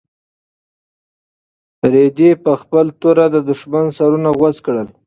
رېدي په خپله توره د دښمن سرونه غوڅ کړل.